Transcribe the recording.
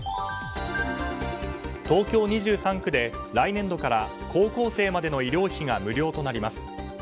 東京２３区で来年度から高校生までの医療費が無料となります。